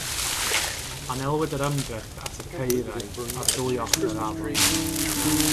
Anelwyd yr ymdrech at y caerau ar ddwy ochr yr afon.